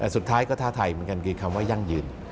แต่สุดท้ายก็ท้าทายเหมือนกันคือคำว่ายั่งยืน